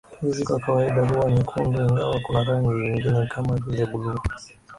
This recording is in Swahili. Hizi kwa kawaida huwa nyekundu ingawa kuna rangi nyingine kama vile bluu